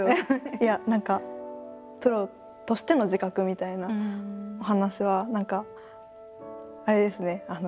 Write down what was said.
いや何かプロとしての自覚みたいなお話は何かあれですね